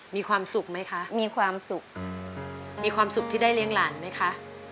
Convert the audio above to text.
มีความสุขไหมคะมีความสุขมีความสุขที่ได้เลี้ยงหลานไหมคะ